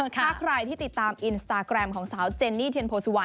ถ้าใครที่ติดตามอินสตาแกรมของสาวเจนนี่เทียนโพสุวรรณ